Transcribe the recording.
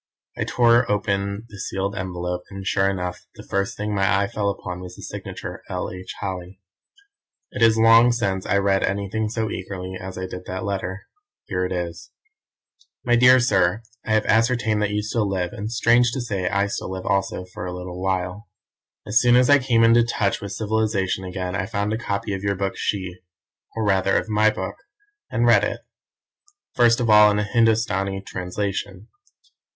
I tore open the sealed envelope, and sure enough the first thing my eye fell upon was the signature, L. H. Holly. It is long since I read anything so eagerly as I did that letter. Here it is: "My dear Sir, I have ascertained that you still live, and strange to say I still live also for a little while. "As soon as I came into touch with civilization again I found a copy of your book She, or rather of my book, and read it first of all in a Hindostani translation.